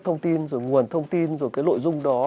thông tin rồi nguồn thông tin rồi cái nội dung đó